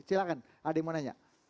silahkan ada yang mau nanya